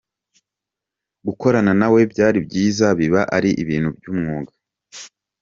Gukorana na we byari byiza, biba ari ibintu by’umwuga.